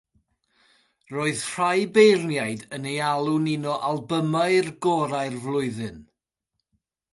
Roedd rhai beirniaid yn ei alw'n un o albymau gorau'r flwyddyn.